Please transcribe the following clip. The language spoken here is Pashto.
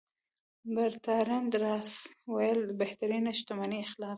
برتراند راسل وایي بهترینه شتمني اخلاق دي.